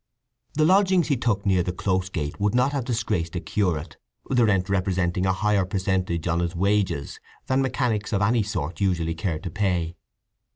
The lodgings he took near the Close Gate would not have disgraced a curate, the rent representing a higher percentage on his wages than mechanics of any sort usually care to pay.